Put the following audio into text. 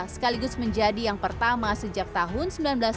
sekaligus menjadi yang pertama sejak tahun seribu sembilan ratus sembilan puluh